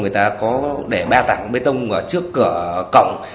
người ta có để ba tảng bê tông ở trước cửa cổng